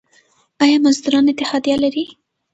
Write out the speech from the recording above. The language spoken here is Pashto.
آیا مزدوران اتحادیه لري؟